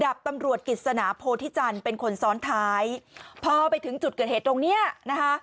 ับตำรวจกิจสนาโพธิจันทร์เป็นคนซ้อนท้ายพอไปถึงจุดเกิดเหตุตรงเนี้ยนะคะ